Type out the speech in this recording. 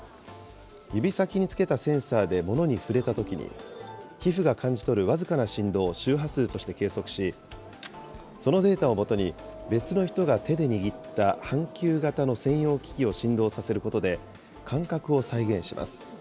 指先に付けたセンサーで物に触れたときに、皮膚が感じ取る僅かな振動を周波数として計測し、そのデータを基に、別の人が手で握った半球型の専用機器を振動させることで、感覚を再現します。